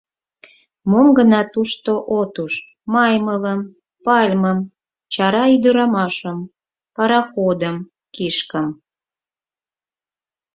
Мом гына тушто от уж: маймылым, пальмым, чара ӱдырамашым, пароходым, кишкым.